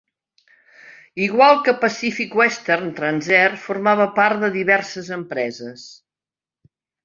Igual que Pacific Western, Transair formava part de diverses empreses.